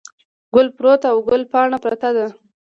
ګل پروت او ګل پاڼه پرته ده.